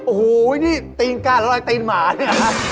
โอ้โฮนี่ตีนกล้าแล้วอะไรตีนหมานี่